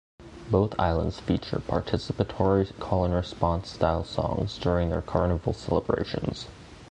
Both islands feature participatory, call-and-response style songs during their Carnival celebrations.